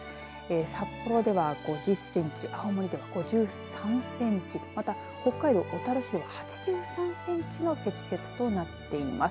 札幌では、５０センチ青森では５３センチまた北海道小樽市では８３センチの積雪となっています。